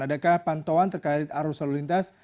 adakah pantauan terkait arus lalu lintas